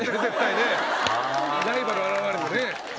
ライバル現れてね。